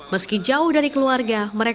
meski jauh dari keluarga